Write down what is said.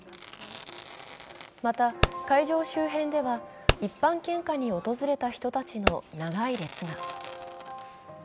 また、会場周辺では、一般献花に訪れた人たちの長い列が。